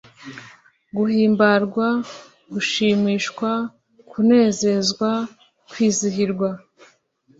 guhimbarwa gushimishwa , kunezezwa, kwizihirwa